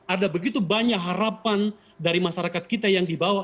ada begitu banyak harapan dari masyarakat kita yang dibawa